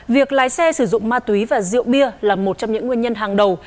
việc lái xe sử dụng ma túy và rượu bia là một trong những nguyên nhân hàng đầu